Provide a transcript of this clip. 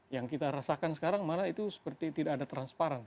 yang kita rasakan sekarang malah itu seperti tidak ada transparan